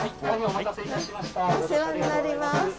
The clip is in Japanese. お世話になります。